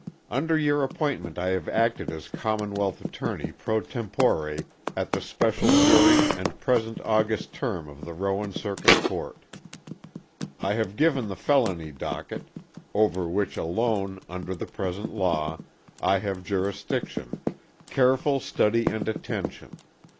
Under your appointment I have acted as Commonwealth Attorney pro tempore at the special July and present August term of the Rowan Circuit Court. I have given the felony docket, over which alone, under the present law, I have jurisdiction, careful study and attention.